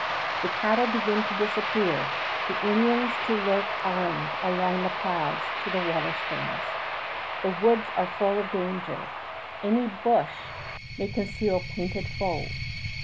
The cattle begin to disappear, the Indians to lurk armed along the paths to the water springs. The woods are full of danger. Any bush may conceal painted foe.